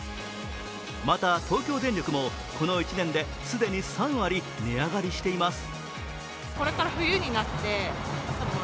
また東京電力もこの１年で既に３割値上げしています。